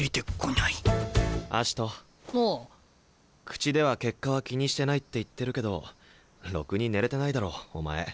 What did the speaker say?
口では結果は気にしてないって言ってるけどろくに寝れてないだろお前。